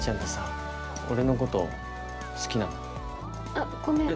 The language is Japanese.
あっごめん。